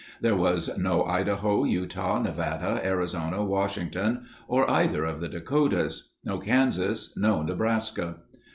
There was no Idaho, Utah, Nevada, Arizona, Washington, or either of the Dakotas. No Kansas. No Nebraska.